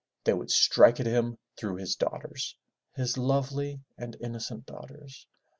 They would strike at him through his daughters, his lovely and innocent daughters.